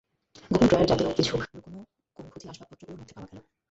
গোপন ড্রয়ার জাতীয় কিছু লুকোনো কোণ-ঘোজি আসবাবপত্রগুলোর মধ্যে পাওয়া গেল না।